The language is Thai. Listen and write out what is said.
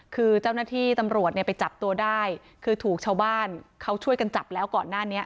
คือเจ้าหน้าที่ตำรวจเนี่ยไปจับตัวได้คือถูกชาวบ้านเขาช่วยกันจับแล้วก่อนหน้านี้